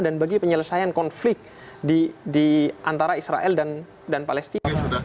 bagi penyelesaian konflik di antara israel dan palestina